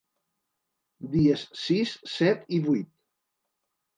Dies sis, set i vuit.